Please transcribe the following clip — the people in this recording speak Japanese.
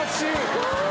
すごい。